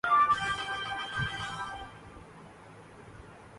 اور وہ اتنے پستہ تھے